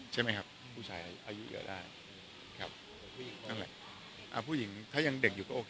ใช่ไหมครับผู้ชายอายุเยอะได้ครับผู้หญิงนั่นแหละอ่าผู้หญิงถ้ายังเด็กอยู่ก็โอเค